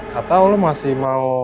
katau lo masih mau